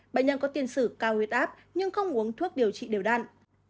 bệnh nhân có tiền sử cao huyết áp nhưng không uống thuốc điều trị điều đạn